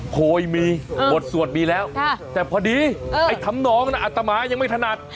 เคยมีบทสวดมีแล้วแต่พอดีไอ้ทำนองน่ะอัตมายังไม่ถนัด